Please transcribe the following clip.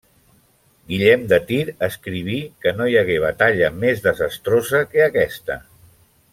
Guillem de Tir escriví que no hi hagué batalla més desastrosa que aquesta.